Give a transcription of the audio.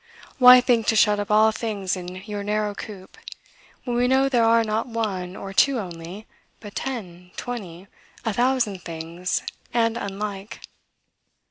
Why think to shut up all things in your narrow coop, when we know there are not one or two only, but ten, twenty, a thousand things, and unlike?